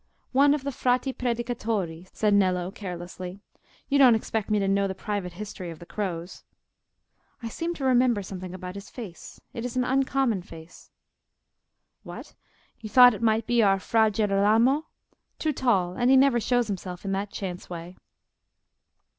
"One of the Frati Predicatori," said Nello, carelessly; "you don't expect me to know the private history of the crows." "I seem to remember something about his face," said Tito. "It is an uncommon face." "What? you thought it might be our Fra Girolamo? Too tall; and he never shows himself in that chance way."